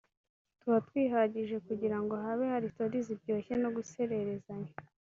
tuba twihagije kugira ngo habe hari Stories ziryoshye no gusererezanya